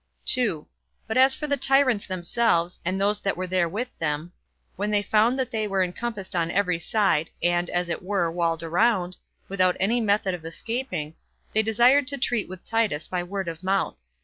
2. But as for the tyrants themselves, and those that were with them, when they found that they were encompassed on every side, and, as it were, walled round, without any method of escaping, they desired to treat with Titus by word of mouth.